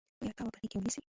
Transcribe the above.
آیا تا به په غېږ کې ونیسي.